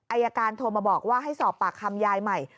อายการโทรมาบอกว่าให้สอบปากคำยายใหม่